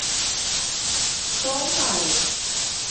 توم طالب.